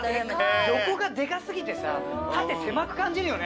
横がでかすぎてさ縦狭く感じるよね。